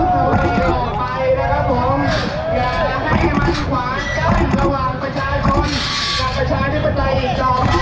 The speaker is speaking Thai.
ต่อไปแล้วครับผมอย่าให้มันขวานเจ้าหลังระหว่างประชาชนกับประชานิปตาอีกต่อไป